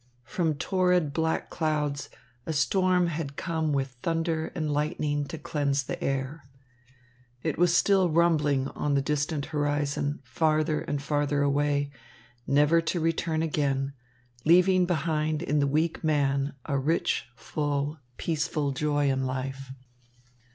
From torrid black clouds, a storm had come with thunder and lightning to cleanse the air. It was still rumbling on the distance horizon, farther and farther away, never to return again, leaving behind in the weak man a rich, full, peaceful joy in life.